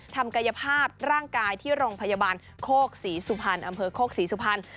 ทำกายภาพร่างกายที่โรงพยาบาลโคกศรีสุพรรณอำเภอโคกศรีสุพรรณ